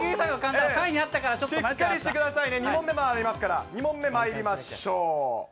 しっかりしてくださいね、２問目もありますから、２問目まいりましょう。